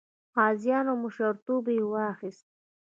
غازیانو مشرتوب یې واخیست.